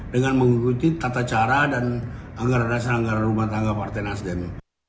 dengan mengikuti tata cara dan anggaran dasar anggaran rumah tangga partai nasdem